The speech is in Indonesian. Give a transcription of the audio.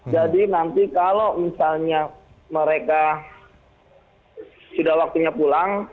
jadi nanti kalau misalnya mereka sudah waktunya pulang